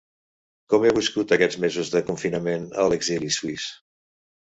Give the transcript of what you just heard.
Com heu viscut aquests mesos de confinament a l’exili suís?